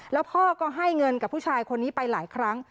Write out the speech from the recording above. แล้วพ่อก็ให้เงินกับผู้ชายคนนี้ไปหลายครั้ง